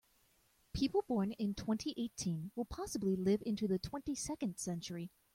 People born in twenty-eighteen will possibly live into the twenty-second century.